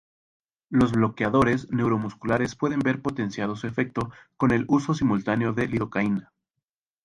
Los bloqueadores neuromusculares pueden ver potenciado su efecto con el uso simultáneo de lidocaína.